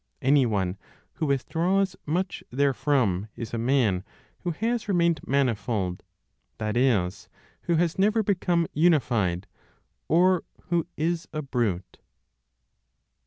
Anyone who withdraws much therefrom is a man who has remained manifold (that is, who has never become unified), or who is a brute.